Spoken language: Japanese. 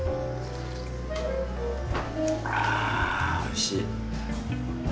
あおいしい。